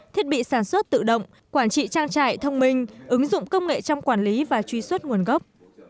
thiết bị sản xuất tự động quản trị trang trại thông minh ứng dụng công nghệ trong quản lý và truy xuất nguồn gốc